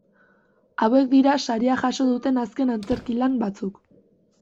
Hauek dira saria jaso duten azken antzerki-lan batzuk.